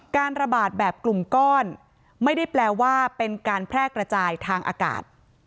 การระบาดแบบกลุ่มก้อนไม่ได้แปลว่าเป็นการแพร่กระจายทางอากาศ